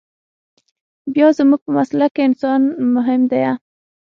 بيا زموږ په مسلک کښې انسان مهم ديه.